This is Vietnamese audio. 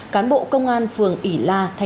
cán bộ công an phường ỉ la